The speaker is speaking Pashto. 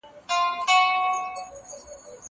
زه پرون موبایل کارولی!؟